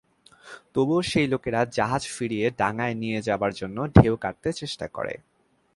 তবুও সেই লোকেরা জাহাজ ফিরিয়ে ডাঙায় নিয়ে যাবার জন্য ঢেউ কাটতে চেষ্টা করে।